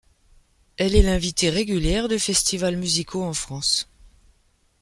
Elle est l'invitée régulière de festivals musicaux en France.